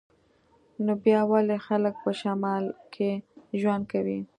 نو بیا ولې خلک په شمال کې ژوند کوي